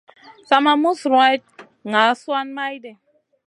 Sa ma mus ruwatn ŋa suan mayɗi.